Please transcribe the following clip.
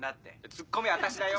ツッコミは私だよ！